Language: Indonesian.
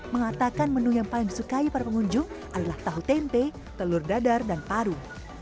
mengatakan menu yang paling disukai para pengunjung adalah tahu tempe telur dadar dan paru